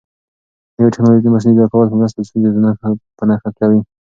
نوې تکنالوژي د مصنوعي ذکاوت په مرسته ستونزې په نښه کوي.